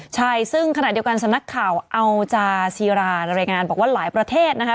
ใช่ซึ่งขณะเดียวกันสำนักข่าวอัลจาซีรารายงานบอกว่าหลายประเทศนะคะ